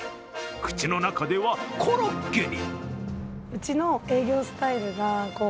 口の中ではコロッケに！